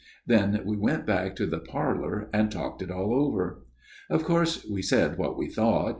Then we went back to the parlour and talked it all over. " Of course we said what we thought.